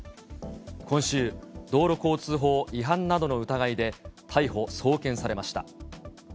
今週、道路交通法違反などの疑いで逮捕・送検されました。